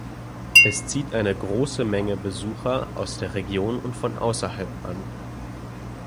Es zieht eine große Menge Besucher aus der Region und von außerhalb an.